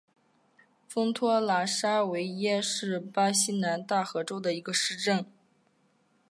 丰托拉沙维耶是巴西南大河州的一个市镇。